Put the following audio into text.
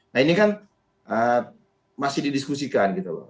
nah ini kan masih didiskusikan gitu loh